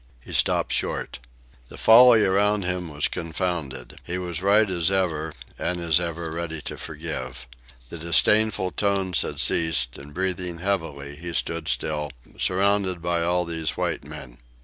He stopped short. The folly around him was confounded. He was right as ever, and as ever ready to forgive. The disdainful tones had ceased, and, breathing heavily, he stood still, surrounded by all these white men.